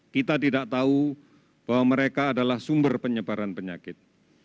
kita tidak tahu bahwa mereka adalah sumber penyebaran penyakit